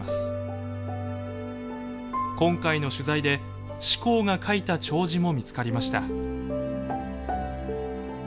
今回の取材で志功が書いた弔辞も見つかりました。